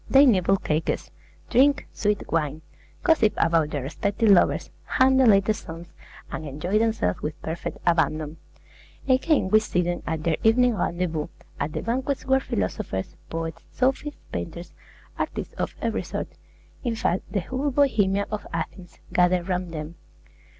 They nibble cakes, drink sweet wine, gossip about their respective lovers, hum the latest songs, and enjoy themselves with perfect abandon. Again we see them at their evening rendezvous, at the banquets where philosophers, poets, sophists, painters, artists of every sort, in fact, the whole Bohemia of Athens, gather round them.